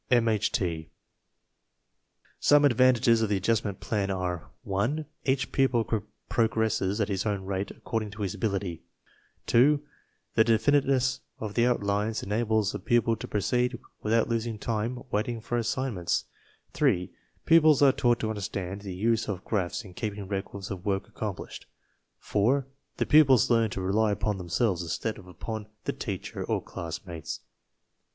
(M. H. T.) "Some advantages of the Adjustment Plan are: (1) Each pupil progresses at his own rate, according to his ability; (2) the definiteness of the outlines enables a pupil to proceed without losing time waiting for assign ments; (3) pupils are taught to understand the use of graphs in keeping records of work accomplished; (4) the pupils learn to rely upon themselves instead of upon the teacher or classmates."